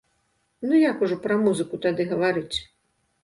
Ну як ужо пра музыку тады гаварыць?